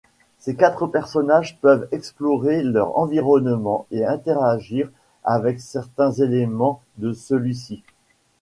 Ces quatre personnages peuvent explorer leur environnement et interagir avec certains éléments de celui-ci.